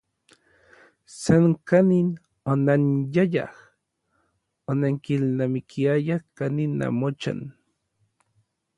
San kanin onanyayaj, onankilnamikiayaj kanin namochan.